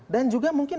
dan juga mungkin